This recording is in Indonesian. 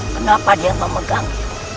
kenapa dia memegangku